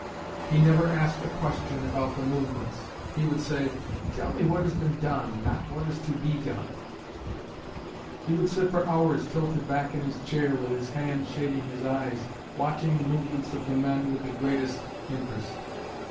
He never asked a question about the movements. He would say, 'Tell me what has been done; not what is to be done.' He would sit for hours tilted back in his chair, with his hand shading his eyes, watching the movements of the men with the greatest interest."